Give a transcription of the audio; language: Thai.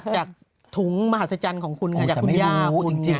จากถุงมหาศจรรย์ของคุณไงจากคุณย่าคุณไงโอ้แต่ไม่รู้จริง